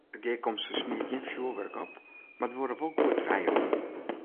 De gearkomste smiet gjin fjoerwurk op, mar duorre wol goed trije oeren.